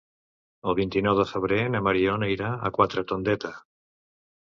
El vint-i-nou de febrer na Mariona irà a Quatretondeta.